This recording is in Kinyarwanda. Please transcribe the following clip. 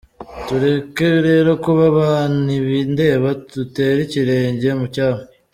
Tureke rero kuba ba ntibindeba, dutere ikirenge mu cyabo.